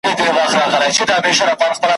ارمغان یې مشک راوړی که عنبر